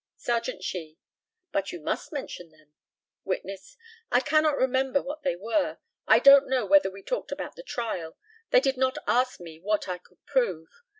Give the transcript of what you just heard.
Serjeant SHEE: But you must mention them. Witness: I cannot remember what they were. I don't know whether we talked about the trial. They did not ask me what I could prove.